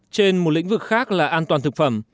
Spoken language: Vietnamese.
trên một lĩnh vực khác là an toàn thực phẩm